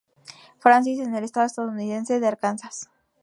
Francis en el estado estadounidense de Arkansas.